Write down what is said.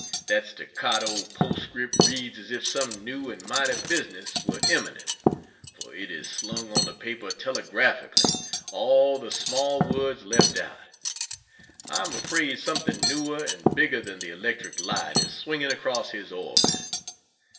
That staccato postscript reads as if some new and mighty business were imminent, for it is slung on the paper telegraphically, all the small words left out. I am afraid something newer and bigger than the electric light is swinging across his orbit.